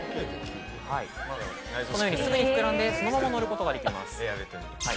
このようにすぐに膨らんでそのまま乗ることができます。